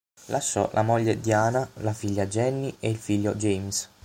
Lasciò la moglie Diana, la figlia Jenny e il figlio James.